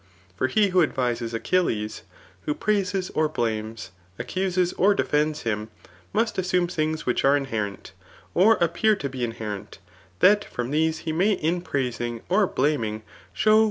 For he who advises AcbiUes, who praises or blames, accuses or defends him, must as ,anme things which are inherent, or appear to be inherent, that from these he may in praising or blaming diow whe